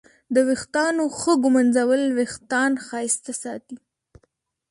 د ویښتانو ښه ږمنځول وېښتان ښایسته ساتي.